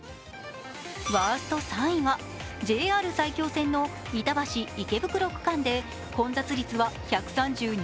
ワースト３位はＪＲ埼京線の板橋−池袋区間で混雑率は１３２％。